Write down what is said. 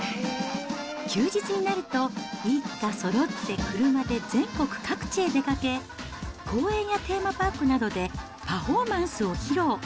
休日になると、一家そろって車で全国各地へ出かけ、公園やテーマパークなどでパフォーマンスを披露。